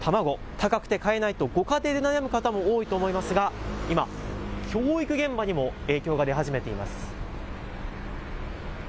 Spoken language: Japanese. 高くて買えないとご家庭で悩む方も多いと思いますが今、教育現場にも影響が出始めています。